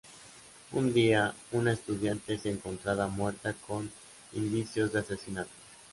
Un día, una estudiante es encontrada muerta con indicios de asesinato.